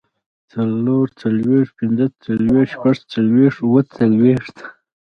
څلورڅلوېښت، پينځهڅلوېښت، شپږڅلوېښت، اووهڅلوېښت